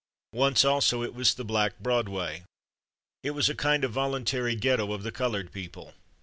Once, also, it was the Black Broadway. It was a kind of voluntary Ghetto of the colored people.